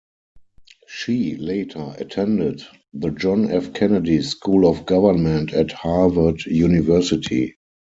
She later attended the John F. Kennedy School of Government at Harvard University.